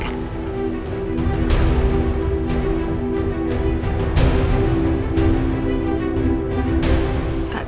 karena aku dan mas bayu tau